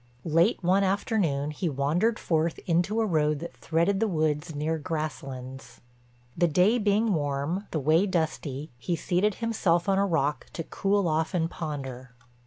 Late one afternoon he wandered forth into a road that threaded the woods near Grasslands. The day being warm, the way dusty, he seated himself on a rock to cool off and ponder.